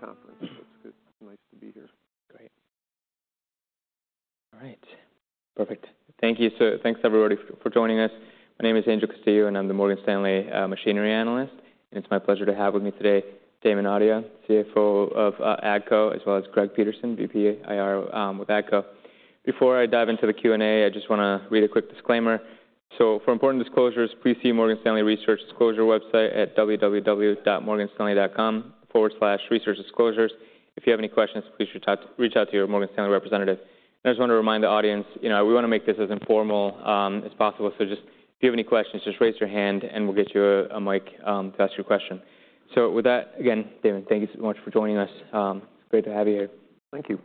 Good conference. It's good. Nice to be here. Great. All right, perfect. Thank you. So thanks, everybody, for joining us. My name is Angel Castillo, and I'm the Morgan Stanley machinery analyst, and it's my pleasure to have with me today Damon Audia, CFO of AGCO, as well as Greg Peterson, VP, IR, with AGCO. Before I dive into the Q&A, I just wanna read a quick disclaimer. So for important disclosures, please see Morgan Stanley Research Disclosure website at www.morganstanley.com/researchdisclosures. If you have any questions, please reach out to your Morgan Stanley representative. I just wanna remind the audience, you know, we wanna make this as informal as possible, so just if you have any questions, just raise your hand, and we'll get you a mic to ask your question. So with that, again, Damon, thank you so much for joining us. It's great to have you here. Thank you.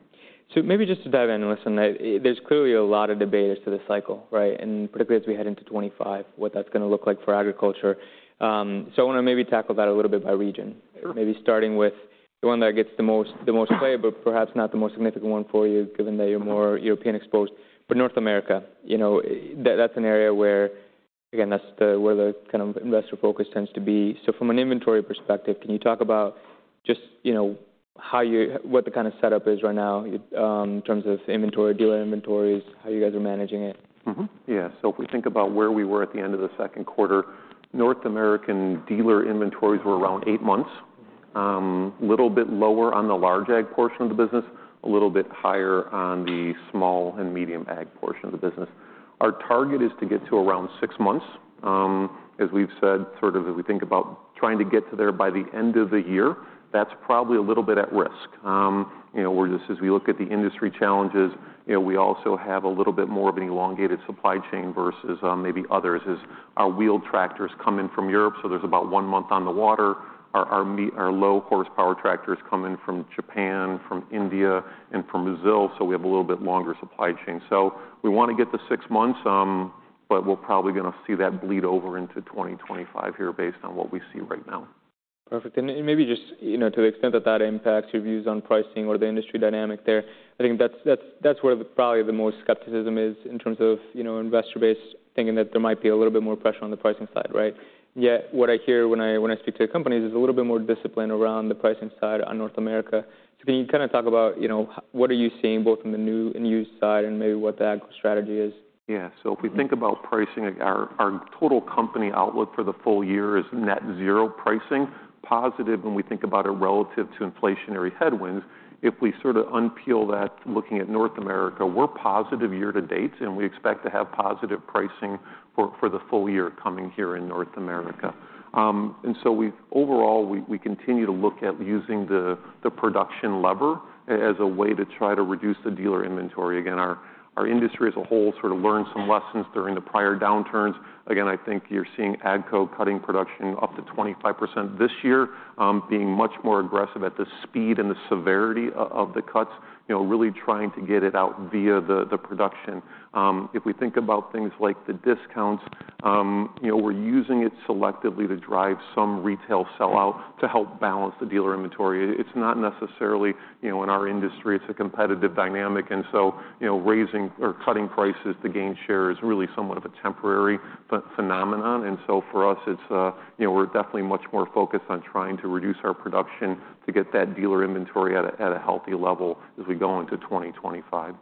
So maybe just to dive in, listen, there's clearly a lot of debate as to the cycle, right? And particularly as we head into 2025, what that's gonna look like for agriculture, so I wanna maybe tackle that a little bit by region. Sure. Maybe starting with the one that gets the most play but perhaps not the most significant one for you, given that you're more European exposed. But North America, you know, that's an area where, again, that's where the kind of investor focus tends to be. So from an inventory perspective, can you talk about just, you know, what the kind of setup is right now in terms of inventory, dealer inventories, how you guys are managing it? Mm-hmm. Yeah, so if we think about where we were at the end of the second quarter, North American dealer inventories were around eight months. Little bit lower on the large ag portion of the business, a little bit higher on the small and medium ag portion of the business. Our target is to get to around six months. As we've said, sort of as we think about trying to get to there by the end of the year, that's probably a little bit at risk. You know, we're just as we look at the industry challenges, you know, we also have a little bit more of an elongated supply chain versus maybe others, as our wheeled tractors come in from Europe, so there's about one month on the water. Our low-horsepower tractors come in from Japan, from India, and from Brazil, so we have a little bit longer supply chain, so we wanna get to six months, but we're probably gonna see that bleed over into twenty twenty-five here, based on what we see right now. Perfect. And maybe just, you know, to the extent that that impacts your views on pricing or the industry dynamic there, I think that's where probably the most skepticism is in terms of, you know, investor base, thinking that there might be a little bit more pressure on the pricing side, right? Yet, what I hear when I speak to the companies is a little bit more discipline around the pricing side on North America. So can you kind of talk about, you know, what are you seeing, both in the new and used side, and maybe what the ag strategy is? Yeah. So if we think about pricing, our total company outlook for the full year is net zero pricing. Positive when we think about it relative to inflationary headwinds. If we sorta unpeel that, looking at North America, we're positive year to date, and we expect to have positive pricing for the full year coming here in North America. And so we've. Overall, we continue to look at using the production lever as a way to try to reduce the dealer inventory. Again, our industry as a whole sort of learned some lessons during the prior downturns. Again, I think you're seeing AGCO cutting production up to 25% this year, being much more aggressive at the speed and the severity of the cuts, you know, really trying to get it out via the production. If we think about things like the discounts, you know, we're using it selectively to drive some retail sell-out to help balance the dealer inventory. It's not necessarily... You know, in our industry, it's a competitive dynamic, and so, you know, raising or cutting prices to gain share is really somewhat of a temporary phenomenon. For us, it's... You know, we're definitely much more focused on trying to reduce our production to get that dealer inventory at a healthy level as we go into 2025. And,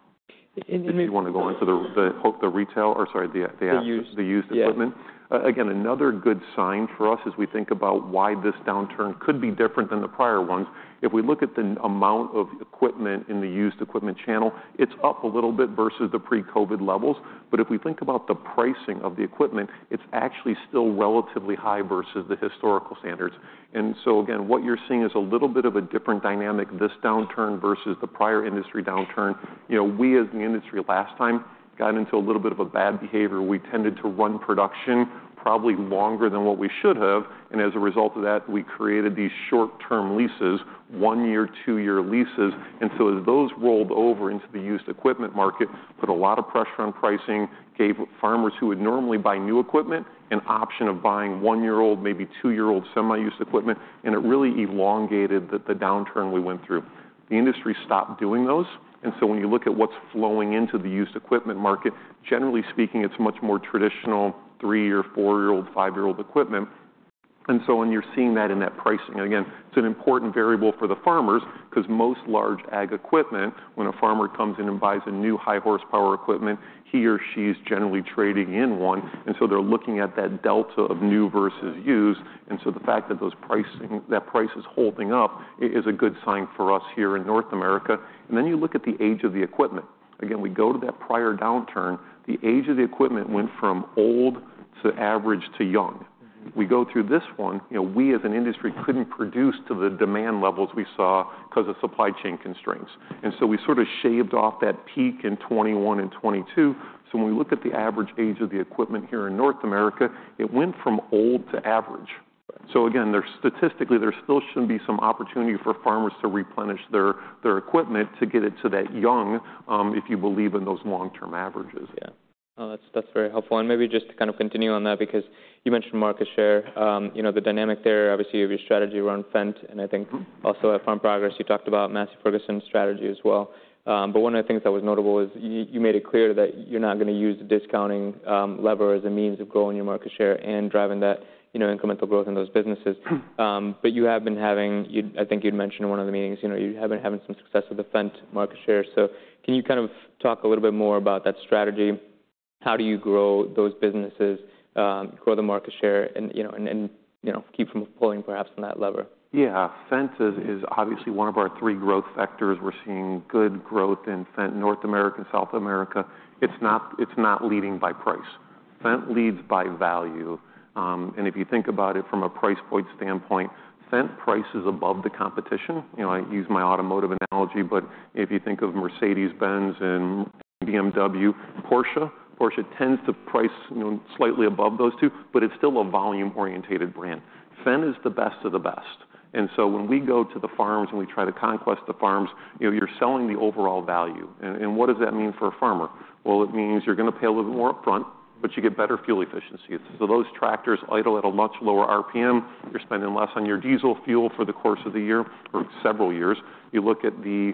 and- Did you wanna go into the retail, or sorry, the- The used... the used equipment? Yeah. Again, another good sign for us as we think about why this downturn could be different than the prior ones. If we look at the amount of equipment in the used equipment channel, it's up a little bit versus the pre-COVID levels. But if we think about the pricing of the equipment, it's actually still relatively high versus the historical standards. And so again, what you're seeing is a little bit of a different dynamic, this downturn versus the prior industry downturn. You know, we, as the industry, last time, got into a little bit of a bad behavior. We tended to run production probably longer than what we should have, and as a result of that, we created these short-term leases, one-year, two-year leases. And so as those rolled over into the used equipment market, put a lot of pressure on pricing, gave farmers who would normally buy new equipment an option of buying one-year-old, maybe two-year-old semi-used equipment, and it really elongated the downturn we went through. The industry stopped doing those, and so when you look at what's flowing into the used equipment market, generally speaking, it's much more traditional three- or four-year-old, five-year-old equipment. And so when you're seeing that in that pricing, again, it's an important variable for the farmers 'cause most large ag equipment, when a farmer comes in and buys a new high-horsepower equipment, he or she is generally trading in one, and so they're looking at that delta of new versus used. And so the fact that those pricing, that price is holding up is a good sign for us here in North America. And then you look at the age of the equipment. Again, we go to that prior downturn, the age of the equipment went from old to average to young. Mm-hmm. We go through this one, you know, we, as an industry, couldn't produce to the demand levels we saw 'cause of supply chain constraints, and so we sort of shaved off that peak in 2021 and 2022. So when we look at the average age of the equipment here in North America, it went from old to average. Right. Again, there's statistically there still shouldn't be some opportunity for farmers to replenish their equipment to get it to that young, if you believe in those long-term averages. Yeah. Oh, that's, that's very helpful. And maybe just to kind of continue on that, because you mentioned market share. You know, the dynamic there, obviously, of your strategy around Fendt, and I think- Mm-hmm... also at Farm Progress, you talked about Massey Ferguson's strategy as well. But one of the things that was notable was you made it clear that you're not gonna use the discounting lever as a means of growing your market share and driving that you know, incremental growth in those businesses. I think you'd mentioned in one of the meetings, you know, you have been having some success with the Fendt market share. So can you kind of talk a little bit more about that strategy? How do you grow those businesses, grow the market share, and you know, keep from pulling perhaps on that lever? Yeah. Fendt is obviously one of our three growth sectors. We're seeing good growth in Fendt North America and South America. It's not leading by price. Fendt leads by value. And if you think about it from a price point standpoint, Fendt price is above the competition. You know, I use my automotive analogy, but if you think of Mercedes-Benz and BMW, Porsche tends to price, you know, slightly above those two, but it's still a volume-oriented brand. Fendt is the best of the best, and so when we go to the farms, and we try to conquest the farms, you know, you're selling the overall value. And what does that mean for a farmer? Well, it means you're gonna pay a little bit more upfront, but you get better fuel efficiency. So those tractors idle at a much lower RPM. You're spending less on your diesel fuel for the course of the year, or several years. You look at the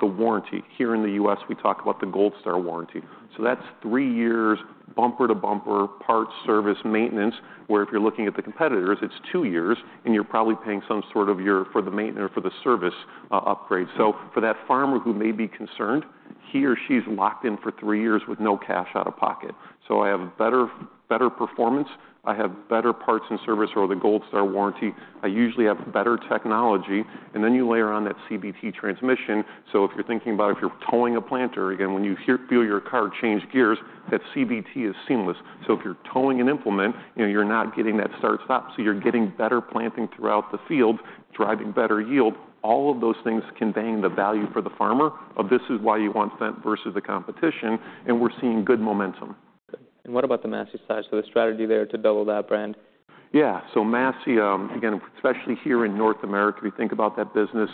warranty. Here in the U.S., we talk about the Gold Star warranty, so that's three years bumper-to-bumper parts, service, maintenance, where if you're looking at the competitors, it's two years, and you're probably paying some sort of your for the maintenance or for the service upgrade. So for that farmer who may be concerned, he or she's locked in for three years with no cash out of pocket. So I have better performance, I have better parts and service or the Gold Star warranty. I usually have better technology, and then you layer on that CVT transmission. So if you're thinking about if you're towing a planter, again, when you feel your car change gears, that CVT is seamless. So if you're towing an implement, you know, you're not getting that start, stop, so you're getting better planting throughout the field, driving better yield. All of those things conveying the value for the farmer of this is why you want Fendt versus the competition, and we're seeing good momentum. What about the Massey side? The strategy there to double that brand. Yeah. So Massey, again, especially here in North America, we think about that business,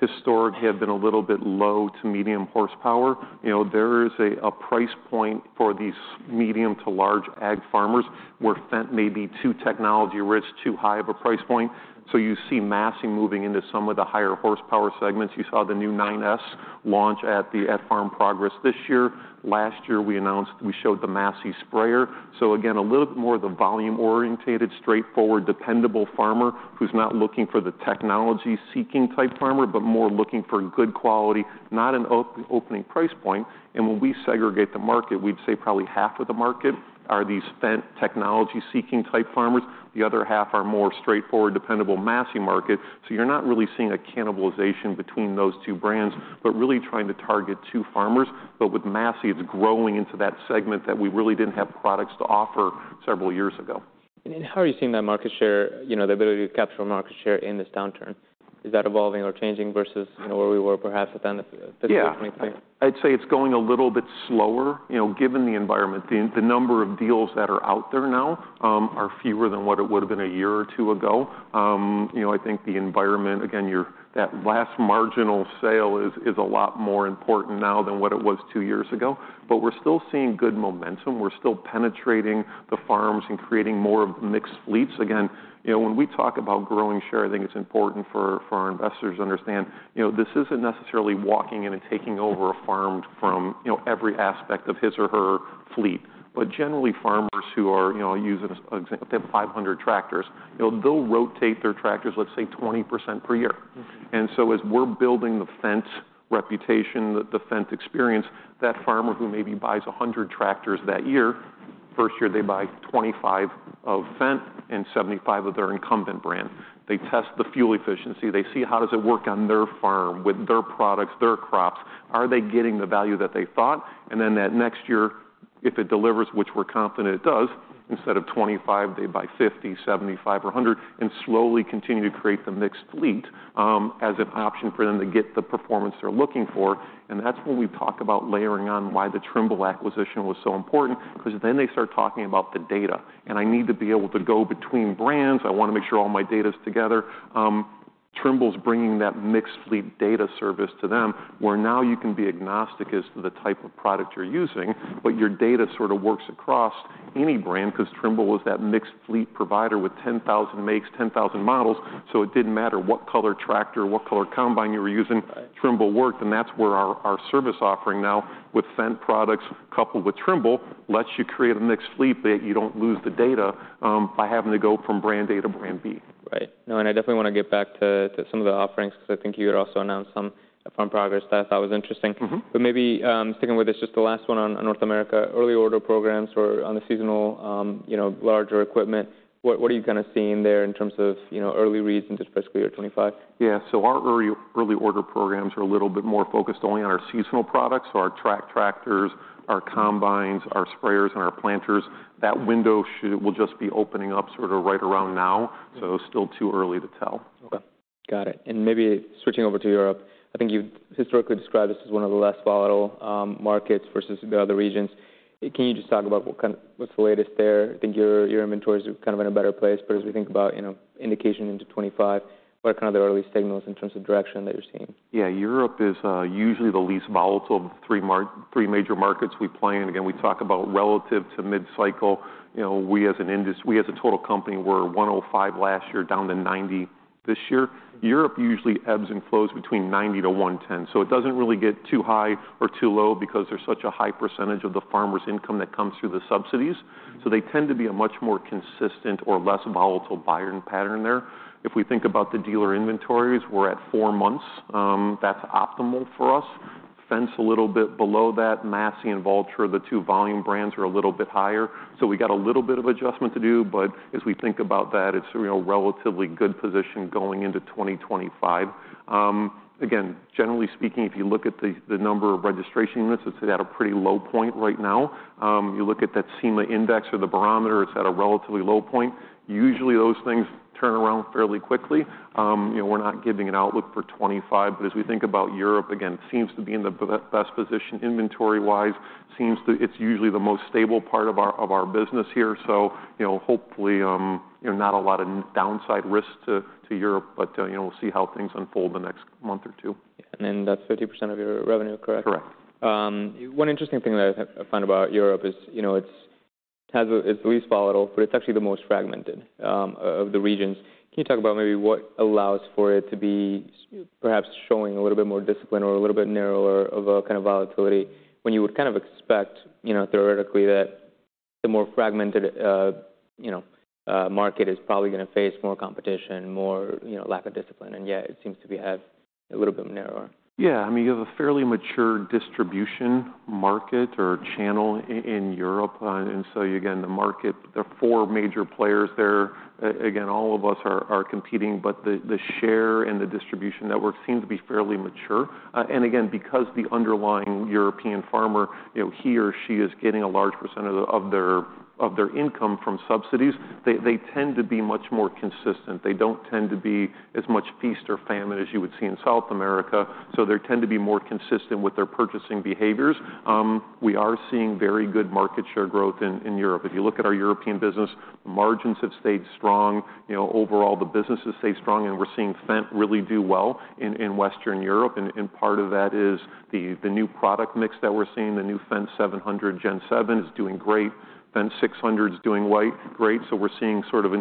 historically have been a little bit low to medium horsepower. You know, there is a price point for these medium to large ag farmers where Fendt may be too technology-rich, too high of a price point. So you see Massey moving into some of the higher horsepower segments. You saw the new 9S launch at the Farm Progress this year. Last year, we announced we showed the Massey sprayer. So again, a little bit more of the volume-oriented, straightforward, dependable farmer who's not looking for the technology-seeking type farmer, but more looking for good quality, not an opening price point. And when we segregate the market, we'd say probably half of the market are these Fendt technology-seeking type farmers. The other half are more straightforward, dependable Massey markets. So you're not really seeing a cannibalization between those two brands, but really trying to target two farmers. But with Massey, it's growing into that segment that we really didn't have products to offer several years ago. How are you seeing that market share, you know, the ability to capture market share in this downturn? Is that evolving or changing versus, you know, where we were perhaps at the end of 2023? Yeah, I'd say it's going a little bit slower. You know, given the environment, the number of deals that are out there now are fewer than what it would've been a year or two ago. You know, I think the environment, again, that last marginal sale is a lot more important now than what it was two years ago. But we're still seeing good momentum. We're still penetrating the farms and creating more of mixed fleets. Again, you know, when we talk about growing share, I think it's important for our investors to understand, you know, this isn't necessarily walking in and taking over a farm from, you know, every aspect of his or her fleet. But generally, farmers who are, you know, using if they have 500 tractors, you know, they'll rotate their tractors, let's say, 20% per year. Mm-hmm. And so as we're building the Fendt reputation, the Fendt experience, that farmer who maybe buys 100 tractors that year, first year, they buy 25 of Fendt and 75 of their incumbent brand. They test the fuel efficiency. They see how does it work on their farm with their products, their crops? Are they getting the value that they thought? And then that next year, if it delivers, which we're confident it does, instead of 25, they buy 50, 75, or 100, and slowly continue to create the mixed fleet, as an option for them to get the performance they're looking for. And that's when we talk about layering on why the Trimble acquisition was so important, 'cause then they start talking about the data. "And I need to be able to go between brands. I wanna make sure all my data's together." Trimble's bringing that mixed fleet data service to them, where now you can be agnostic as to the type of product you're using, but your data sort of works across any brand, 'cause Trimble was that mixed fleet provider with 10,000 makes, 10,000 models. So it didn't matter what color tractor, what color combine you were using- Right.... Trimble worked, and that's where our service offering now with Fendt products, coupled with Trimble, lets you create a mixed fleet that you don't lose the data by having to go from brand A to brand B. Right. No, and I definitely wanna get back to some of the offerings, because I think you had also announced some Farm Progress that I thought was interesting. Mm-hmm. But maybe, sticking with this, just the last one on North America. Early order programs or on the seasonal, you know, larger equipment, what are you kind of seeing there in terms of, you know, early reads into fiscal year 2025? Yeah. So our early, early order programs are a little bit more focused only on our seasonal products, so our track tractors, our combines, our sprayers, and our planters. That window will just be opening up sort of right around now. Mm-hmm. Still too early to tell. Okay, got it and maybe switching over to Europe, I think you've historically described this as one of the less volatile markets versus the other regions. Can you just talk about what's the latest there? I think your inventories are kind of in a better place, but as we think about, you know, indication into 2025, what are kind of the early signals in terms of direction that you're seeing? Yeah, Europe is usually the least volatile of the three major markets we play in. Again, we talk about relative to mid-cycle. You know, we as a total company were 105 last year, down to 90 this year. Europe usually ebbs and flows between 90 to 110, so it doesn't really get too high or too low because there's such a high percentage of the farmers' income that comes through the subsidies. So they tend to be a much more consistent or less volatile buying pattern there. If we think about the dealer inventories, we're at four months. That's optimal for us. Fendt's a little bit below that. Massey and Valtra, the two volume brands, are a little bit higher. So we got a little bit of adjustment to do, but as we think about that, it's, you know, relatively good position going into 2025. Again, generally speaking, if you look at the number of registration units, it's at a pretty low point right now. You look at that CEMA index or the barometer, it's at a relatively low point. Usually, those things turn around fairly quickly. You know, we're not giving an outlook for 2025, but as we think about Europe, again, seems to be in the best position inventory-wise. It seems to be the most stable part of our business here. So, you know, hopefully, not a lot of downside risk to Europe, but, you know, we'll see how things unfold the next month or two. Yeah. And that's 50% of your revenue, correct? Correct. One interesting thing that I find about Europe is, you know, it's the least volatile, but it's actually the most fragmented of the regions. Can you talk about maybe what allows for it to be perhaps showing a little bit more discipline or a little bit narrower of a kind of volatility, when you would kind of expect, you know, theoretically, that the more fragmented, you know, market is probably gonna face more competition, more, you know, lack of discipline, and yet it seems to have a little bit narrower? Yeah. I mean, you have a fairly mature distribution market or channel in Europe, and so, again, the market, there are four major players there. Again, all of us are competing, but the share and the distribution network seem to be fairly mature. And again, because the underlying European farmer, you know, he or she is getting a large percentage of their income from subsidies, they tend to be much more consistent. They don't tend to be as much feast or famine as you would see in South America, so they tend to be more consistent with their purchasing behaviors. We are seeing very good market share growth in Europe. If you look at our European business, margins have stayed strong. You know, overall, the business has stayed strong, and we're seeing Fendt really do well in Western Europe, and part of that is the new product mix that we're seeing. The new Fendt 700 Gen7 is doing great. Fendt 600 is doing great, so we're seeing sort of a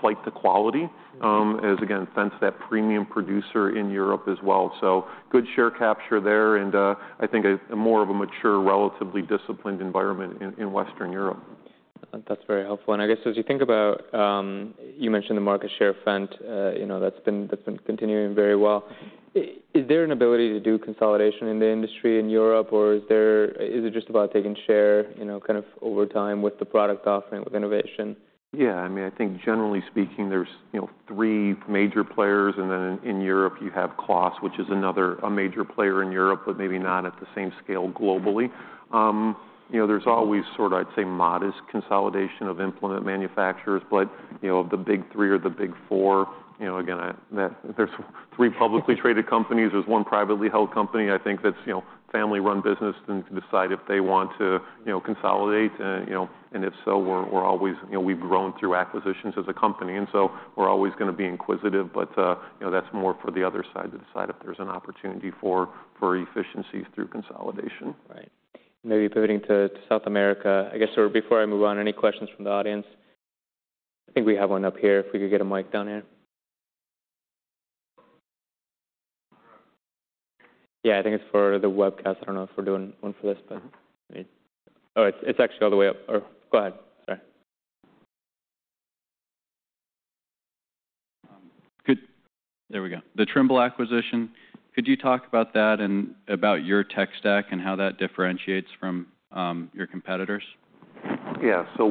flight to quality, as again, Fendt's that premium producer in Europe as well. So good share capture there, and I think more of a mature, relatively disciplined environment in Western Europe. That's very helpful. And I guess, as you think about, you mentioned the market share of Fendt, you know, that's been continuing very well. Is there an ability to do consolidation in the industry in Europe, or is it just about taking share, you know, kind of over time with the product offering, with innovation? Yeah, I mean, I think generally speaking, there's, you know, three major players, and then in Europe, you have Claas, which is another, a major player in Europe, but maybe not at the same scale globally. You know, there's always sort of, I'd say, modest consolidation of implement manufacturers, but, you know, of the big three or the big four, you know, again, that there's three publicly traded companies. There's one privately held company. I think that's, you know, family-run business, and decide if they want to, you know, consolidate, and if so, we're always... You know, we've grown through acquisitions as a company, and so we're always gonna be inquisitive, but, you know, that's more for the other side to decide if there's an opportunity for efficiencies through consolidation. Right. Maybe pivoting to, to South America. I guess, or before I move on, any questions from the audience? I think we have one up here, if we could get a mic down here. Yeah, I think it's for the webcast. I don't know if we're doing one for this, but... Oh, it's, it's actually all the way up. Or go ahead. Sorry. Good. There we go. The Trimble acquisition, could you talk about that and about your tech stack and how that differentiates from, your competitors? Yeah. So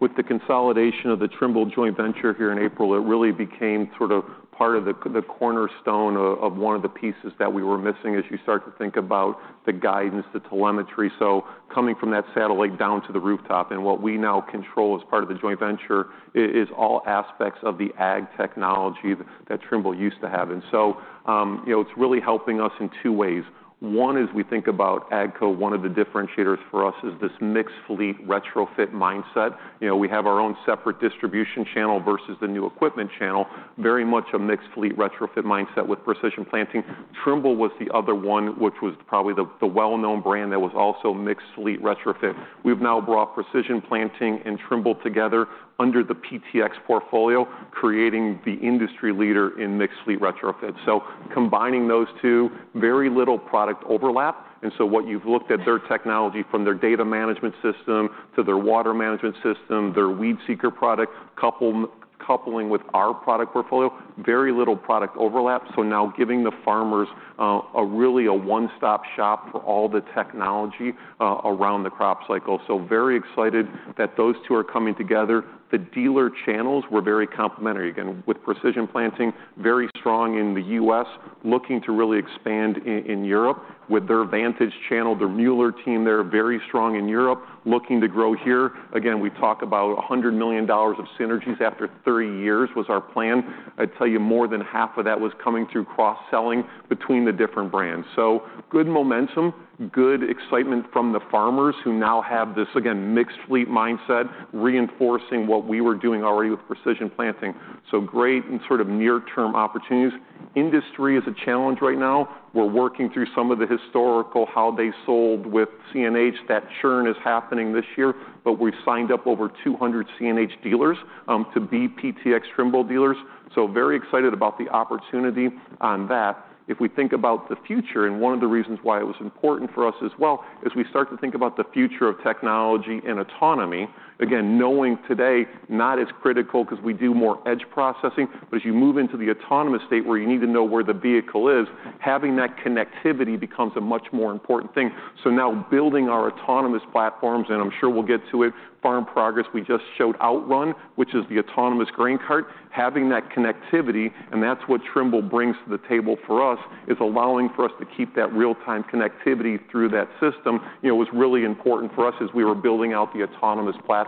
with the consolidation of the Trimble joint venture here in April, it really became sort of part of the cornerstone of one of the pieces that we were missing as you start to think about the guidance, the telemetry. So coming from that satellite down to the rooftop, and what we now control as part of the joint venture is all aspects of the ag technology that Trimble used to have. And so, you know, it's really helping us in two ways. One is we think about AGCO. One of the differentiators for us is this mixed-fleet, retrofit mindset. You know, we have our own separate distribution channel versus the new equipment channel, very much a mixed-fleet, retrofit mindset with Precision Planting. Trimble was the other one, which was probably the well-known brand that was also mixed-fleet retrofit. We've now brought Precision Planting and Trimble together under the PTx portfolio, creating the industry leader in mixed-fleet retrofit. So combining those two, very little product overlap, and so what you've looked at their technology, from their data management system to their water management system, their WeedSeeker product, coupling with our product portfolio, very little product overlap, so now giving the farmers a really one-stop shop for all the technology around the crop cycle. So very excited that those two are coming together. The dealer channels were very complementary. Again, with Precision Planting, very strong in the U.S., looking to really expand in Europe. With their Vantage channel, the Müller team there, very strong in Europe, looking to grow here. Again, we talk about $100 million of synergies after 30 years was our plan. I'd tell you, more than half of that was coming through cross-selling between the different brands. So good momentum, good excitement from the farmers who now have this, again, mixed-fleet mindset, reinforcing what we were doing already with Precision Planting. So great and sort of near-term opportunities. Industry is a challenge right now. We're working through some of the historical, how they sold with CNH. That churn is happening this year, but we've signed up over 200 CNH dealers to be PTx Trimble dealers. So very excited about the opportunity on that. If we think about the future, and one of the reasons why it was important for us as well, as we start to think about the future of technology and autonomy, again, knowing today, not as critical, 'cause we do more edge processing, but as you move into the autonomous state, where you need to know where the vehicle is, having that connectivity becomes a much more important thing. So now building our autonomous platforms, and I'm sure we'll get to it, Farm Progress, we just showed OutRun, which is the autonomous grain cart, having that connectivity, and that's what Trimble brings to the table for us, is allowing for us to keep that real-time connectivity through that system. You know, it was really important for us as we were building out the autonomous platform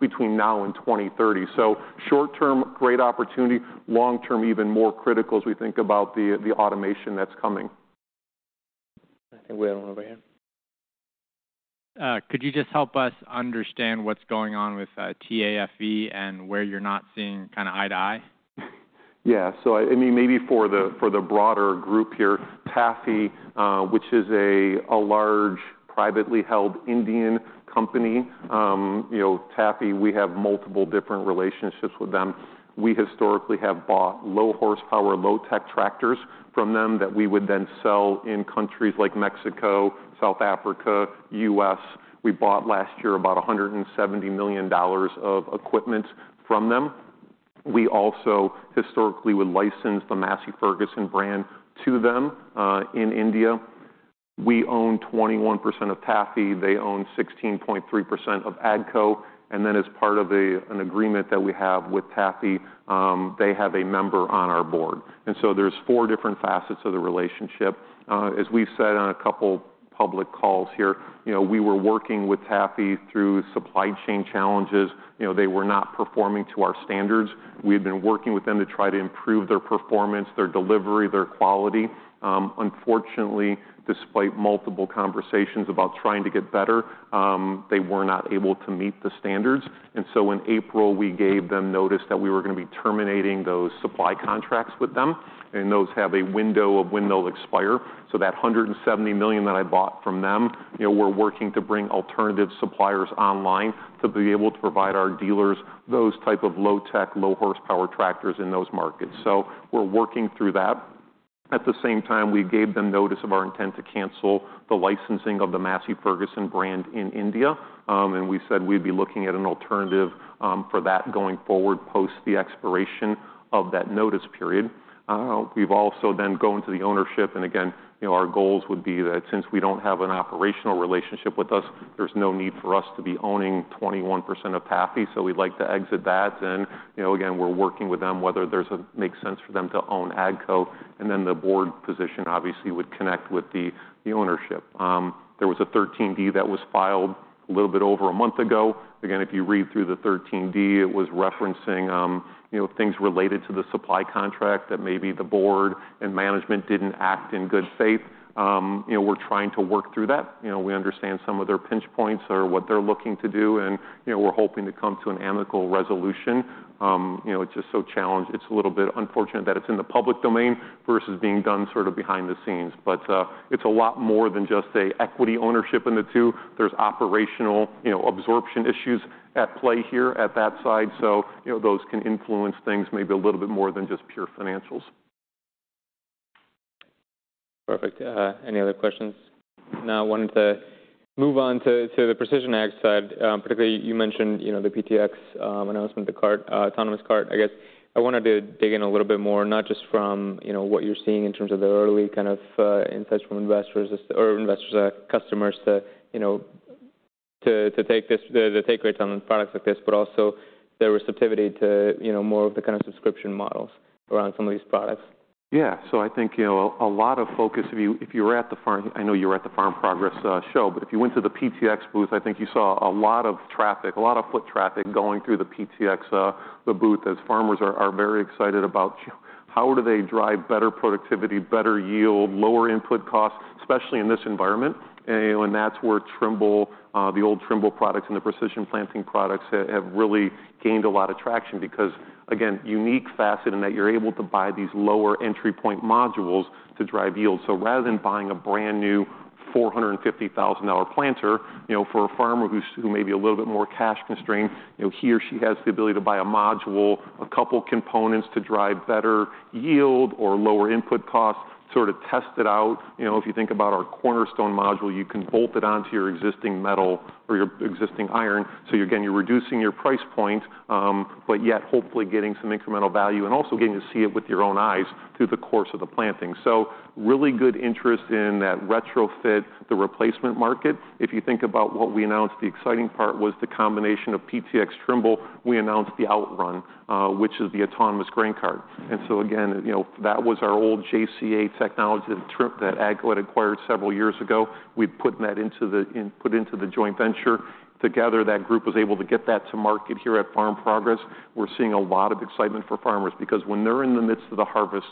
between now and twenty thirty. So short term, great opportunity. Long term, even more critical as we think about the automation that's coming.... I think we have over here. Could you just help us understand what's going on with TAFE and where you're not seeing kind of eye to eye? Yeah, so, I mean, maybe for the broader group here, TAFE, which is a large, privately held Indian company. You know, TAFE, we have multiple different relationships with them. We historically have bought low horsepower, low tech tractors from them that we would then sell in countries like Mexico, South Africa, U.S. We bought last year about $170 million of equipment from them. We also historically would license the Massey Ferguson brand to them in India. We own 21% of TAFE, they own 16.3% of AGCO, and then as part of an agreement that we have with TAFE, they have a member on our board. And so there's four different facets of the relationship. As we've said on a couple public calls here, you know, we were working with TAFE through supply chain challenges. You know, they were not performing to our standards. We had been working with them to try to improve their performance, their delivery, their quality. Unfortunately, despite multiple conversations about trying to get better, they were not able to meet the standards, and so in April, we gave them notice that we were gonna be terminating those supply contracts with them, and those have a window of when they'll expire, so that $170 million that I bought from them, you know, we're working to bring alternative suppliers online to be able to provide our dealers those type of low tech, low horsepower tractors in those markets, so we're working through that. At the same time, we gave them notice of our intent to cancel the licensing of the Massey Ferguson brand in India, and we said we'd be looking at an alternative, for that going forward, post the expiration of that notice period. We've also then gone to the ownership, and again, you know, our goals would be that since we don't have an operational relationship with us, there's no need for us to be owning 21% of TAFE. So we'd like to exit that, and, you know, again, we're working with them, whether there's a make sense for them to own AGCO, and then the board position obviously would connect with the ownership. There was a 13D that was filed a little bit over a month ago. Again, if you read through the 13D, it was referencing, you know, things related to the supply contract, that maybe the board and management didn't act in good faith. You know, we're trying to work through that. You know, we understand some of their pinch points or what they're looking to do, and, you know, we're hoping to come to an amicable resolution. You know, it's just so challenged. It's a little bit unfortunate that it's in the public domain versus being done sort of behind the scenes, but it's a lot more than just a equity ownership in the two. There's operational, you know, absorption issues at play here at that side. So, you know, those can influence things maybe a little bit more than just pure financials. Perfect. Any other questions? Now, I wanted to move on to the Precision Ag side. Particularly, you mentioned, you know, the PTx announcement, the cart, autonomous cart. I guess I wanted to dig in a little bit more, not just from, you know, what you're seeing in terms of the early kind of insights from investors, or customers to, you know, to the take rates on products like this, but also the receptivity to, you know, more of the kind of subscription models around some of these products. Yeah, so I think, you know, a lot of focus, if you, if you were at the Farm Progress show, but if you went to the PTx booth, I think you saw a lot of traffic, a lot of foot traffic going through the PTx, the booth, as farmers are very excited about how they drive better productivity, better yield, lower input costs, especially in this environment? And, you know, and that's where Trimble, the old Trimble products and the Precision Planting products have really gained a lot of traction. Because, again, unique facet in that you're able to buy these lower entry point modules to drive yield. So rather than buying a brand new $450,000 planter, you know, for a farmer who may be a little bit more cash constrained, you know, he or she has the ability to buy a module, a couple components to drive better yield or lower input costs, sort of test it out. You know, if you think about our Cornerstone module, you can bolt it onto your existing metal or your existing iron. So again, you're reducing your price point, but yet hopefully getting some incremental value and also getting to see it with your own eyes through the course of the planting. So really good interest in that retrofit, the replacement market. If you think about what we announced, the exciting part was the combination of PTx Trimble. We announced the OutRun, which is the autonomous grain cart. And so again, you know, that was our old JCA Technologies that AGCO had acquired several years ago. We've put that into the joint venture. Together, that group was able to get that to market here at Farm Progress. We're seeing a lot of excitement for farmers because when they're in the midst of the harvest,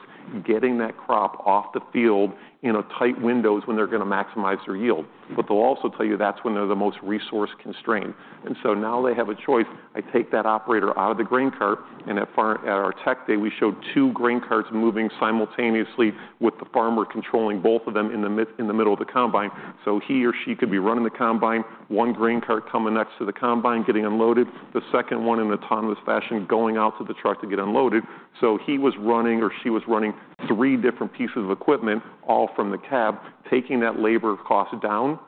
getting that crop off the field in a tight window is when they're gonna maximize their yield. But they'll also tell you that's when they're the most resource-constrained. And so now they have a choice. I take that operator out of the grain cart, and at our Tech Day, we showed two grain carts moving simultaneously with the farmer controlling both of them in the middle of the combine. So he or she could be running the combine, one grain cart coming next to the combine, getting unloaded, the second one in an autonomous fashion, going out to the truck to get unloaded. So he was running, or she was running three different pieces of equipment, all from the cab, taking that labor cost down...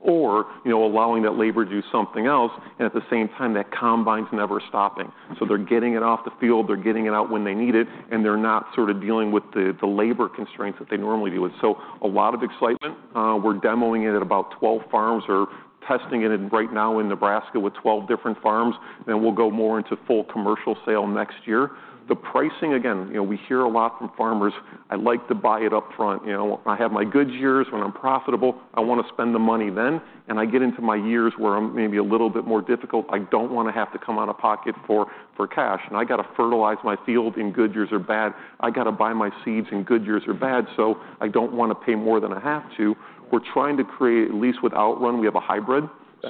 or, you know, allowing that labor to do something else, and at the same time, that combine's never stopping. So they're getting it off the field, they're getting it out when they need it, and they're not sort of dealing with the, the labor constraints that they normally deal with. So a lot of excitement. We're demoing it at about 12 farms or testing it in right now in Nebraska with 12 different farms. Then we'll go more into full commercial sale next year. The pricing, again, you know, we hear a lot from farmers, "I like to buy it upfront. You know, I have my good years when I'm profitable, I wanna spend the money then, and I get into my years where I'm maybe a little bit more difficult. I don't wanna have to come out of pocket for, for cash, and I got to fertilize my field in good years or bad. I got to buy my seeds in good years or bad, so I don't wanna pay more than I have to." We're trying to create, at least with Outrun, we have a hybrid. Yeah.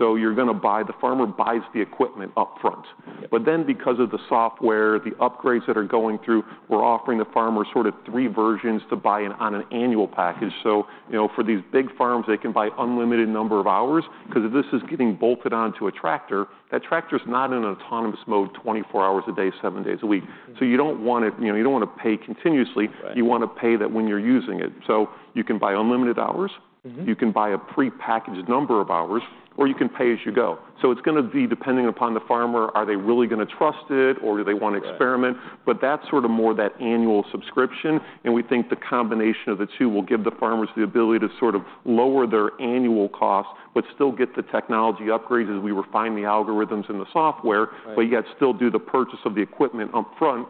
The farmer buys the equipment upfront. Yeah. But then, because of the software, the upgrades that are going through, we're offering the farmer sort of three versions to buy in on an annual package. So, you know, for these big farms, they can buy unlimited number of hours, 'cause if this is getting bolted onto a tractor, that tractor's not in an autonomous mode twenty-four hours a day, seven days a week. So you don't want it-- you know, you don't wanna pay continuously- Right. You wanna pay that when you're using it. So you can buy unlimited hours- Mm-hmm. You can buy a prepackaged number of hours, or you can pay as you go. So it's gonna be depending upon the farmer: are they really gonna trust it, or do they wanna experiment? Right. but that's sort of more of an annual subscription, and we think the combination of the two will give the farmers the ability to sort of lower their annual cost, but still get the technology upgrades as we refine the algorithms in the software. Right... but yet still do the purchase of the equipment upfront.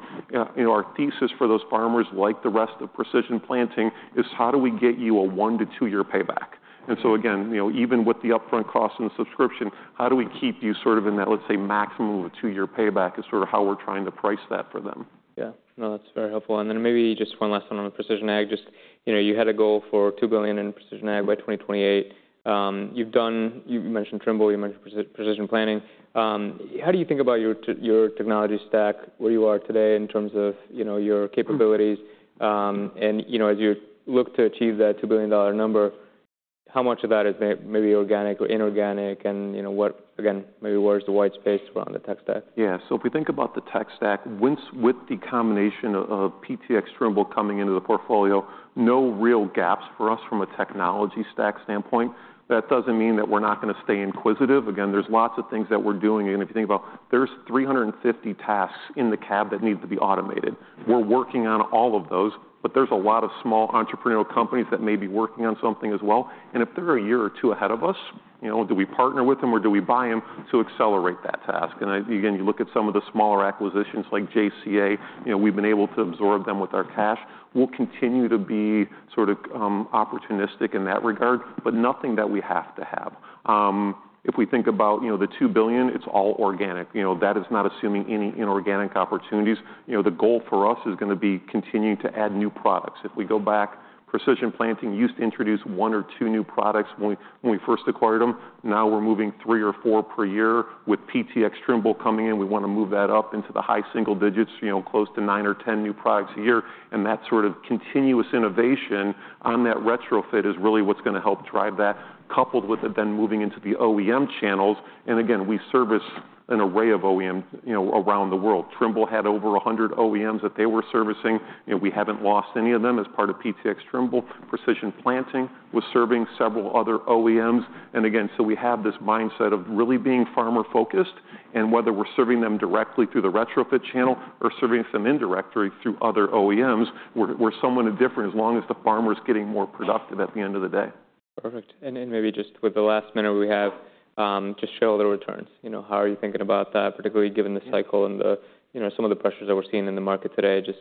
You know, our thesis for those farmers, like the rest of Precision Planting, is how do we get you a one- to two-year payback? Mm-hmm. Again, you know, even with the upfront cost and subscription, how do we keep you sort of in that, let's say, maximum of a two-year payback, is sort of how we're trying to price that for them. Yeah. No, that's very helpful. And then maybe just one last one on the precision ag. Just, you know, you had a goal for $2 billion in precision ag by 2028. You've mentioned Trimble, you mentioned Precision Planting. How do you think about your technology stack, where you are today in terms of, you know, your capabilities? And, you know, as you look to achieve that $2 billion number, how much of that is maybe organic or inorganic, and, you know, what. Again, maybe where is the white space around the tech stack? Yeah. So if we think about the tech stack, once with the combination of, of PTx Trimble coming into the portfolio, no real gaps for us from a technology stack standpoint. That doesn't mean that we're not gonna stay inquisitive. Again, there's lots of things that we're doing, and if you think about, there's three hundred and fifty tasks in the cab that need to be automated. We're working on all of those, but there's a lot of small entrepreneurial companies that may be working on something as well. And if they're a year or two ahead of us, you know, do we partner with them or do we buy them to accelerate that task? And, again, you look at some of the smaller acquisitions, like JCA, you know, we've been able to absorb them with our cash. We'll continue to be sort of opportunistic in that regard, but nothing that we have to have. If we think about, you know, the $2 billion, it's all organic. You know, that is not assuming any inorganic opportunities. You know, the goal for us is gonna be continuing to add new products. If we go back, Precision Planting used to introduce one or two new products when we first acquired them. Now, we're moving three or four per year. With PTx Trimble coming in, we wanna move that up into the high single digits, you know, close to nine or ten new products a year. That sort of continuous innovation on that retrofit is really what's gonna help drive that, coupled with it, then moving into the OEM channels. Again, we service an array of OEMs, you know, around the world. Trimble had over a hundred OEMs that they were servicing, and we haven't lost any of them as part of PTx Trimble. Precision Planting was serving several other OEMs. And again, so we have this mindset of really being farmer-focused, and whether we're serving them directly through the retrofit channel or serving some indirectly through other OEMs, we're somewhat indifferent, as long as the farmer's getting more productive at the end of the day. Perfect. And then, maybe just with the last minute we have, just shareholder returns. You know, how are you thinking about that, particularly given the cycle and the, you know, some of the pressures that we're seeing in the market today? Just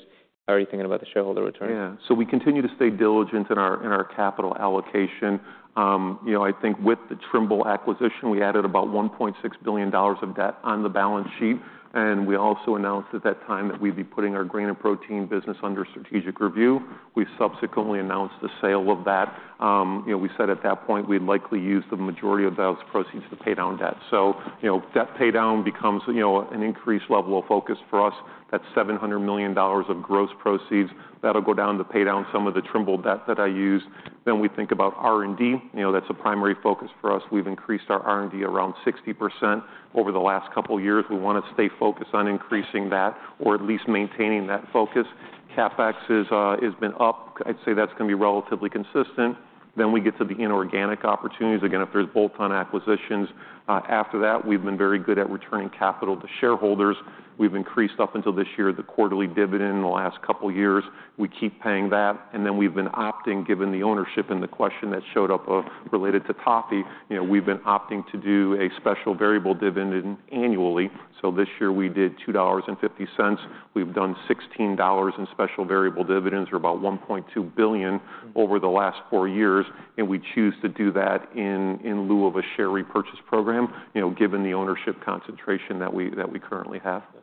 how are you thinking about the shareholder return? Yeah. So we continue to stay diligent in our capital allocation. You know, I think with the Trimble acquisition, we added about $1.6 billion of debt on the balance sheet, and we also announced at that time that we'd be putting our grain and protein business under strategic review. We've subsequently announced the sale of that. You know, we said at that point, we'd likely use the majority of those proceeds to pay down debt. So, you know, debt pay down becomes, you know, an increased level of focus for us. That's $700 million of gross proceeds. That'll go down to pay down some of the Trimble debt that I used. Then we think about R&D. You know, that's a primary focus for us. We've increased our R&D around 60% over the last couple of years. We wanna stay focused on increasing that or at least maintaining that focus. CapEx is, has been up. I'd say that's gonna be relatively consistent. Then we get to the inorganic opportunities. Again, if there's bolt-on acquisitions, after that, we've been very good at returning capital to shareholders. We've increased, up until this year, the quarterly dividend in the last couple of years. We keep paying that, and then we've been opting, given the ownership and the question that showed up, related to TAFE. You know, we've been opting to do a special variable dividend annually. So this year we did $2.50. We've done $16 in special variable dividends or about $1.2 billion over the last four years, and we choose to do that in lieu of a share repurchase program, you know, given the ownership concentration that we currently have.